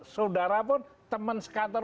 saudara pun teman sekantor